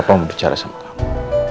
papa mau bicara sama kamu